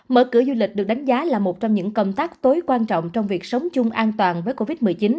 mở cửa du lịch được đánh giá là một trong những công tác tối quan trọng trong việc sống chung an toàn với covid một mươi chín